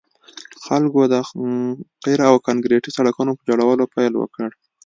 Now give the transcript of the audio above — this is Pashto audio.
خلکو د قیر او کانکریټي سړکونو په جوړولو پیل وکړ